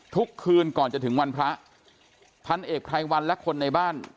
ทุกคืนก่อนจะถึงวันพระพันเอกไพรวันและคนในบ้าน